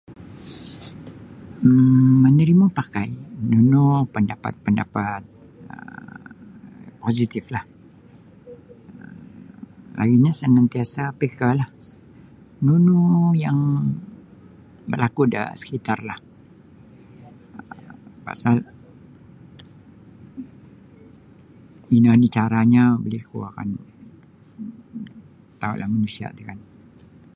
um monorimo pakai nunu pandapat-pandapat um positiflah um ino sanantiasa' pekalah nunu yang barlaku' da sekitarlah pasal ino oni caranyo buli kuo kan tau'lah manusia' ti kan.